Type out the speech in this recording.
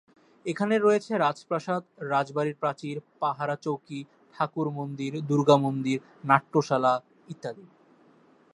এখানে রয়েছে রাজপ্রাসাদ, রাজবাড়ির প্রাচীর, পাহারা চৌকি, ঠাকুর মন্দির, দুর্গা মন্দির, নাট্যশালা ইত্যাদি।